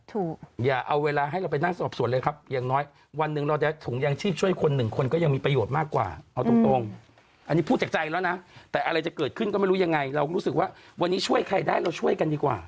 อย่าเอาเวลาให้เราไปนั่งสอบส่วนเลยครับอย่างน้อยวันหนึ่งเราจะถุงยางชีพช่วยคนหนึ่งคนก็ยังมีประโยชน์มากกว่าเอาตรงอันนี้พูดจากใจแล้วนะแต่อะไรจะเกิดขึ้นก็ไม่รู้ยังไงเราก็รู้สึกว่าวันนี้ช่วยใครได้เราช่วยกันดีกว่า